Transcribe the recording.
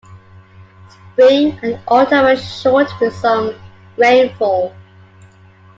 Spring and autumn are short with some rainfall.